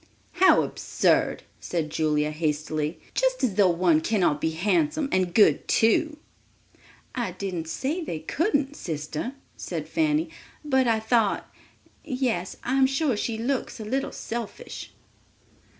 "How absurd," said Julia hastily; "just as though one cannot be handsome and good too." "I didn't say they couldn't, sister," said Fanny; "but I thought—yes, I'm sure she looks a little selfish!"